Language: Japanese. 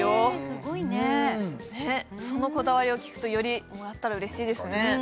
すごいねそのこだわりを聞くとよりもらったら嬉しいですね